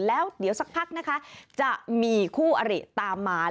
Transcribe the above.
แล้วเดี๋ยวสักพักนะคะจะมีคู่อริตามมา